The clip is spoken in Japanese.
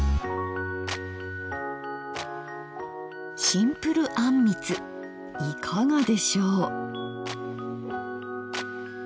シンプルあんみついかがでしょう。